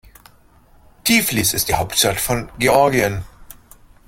Tiflis ist die Hauptstadt von Georgien.